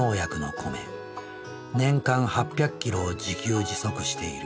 年間８００キロを自給自足している。